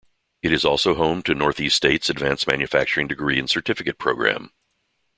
It is also home to Northeast State's advanced manufacturing degree and certificate program.